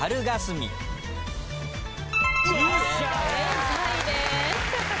正解です。